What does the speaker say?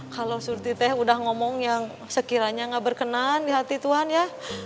kalau surti teh udah ngomong yang sekiranya gak berkenan di hati tuhan ya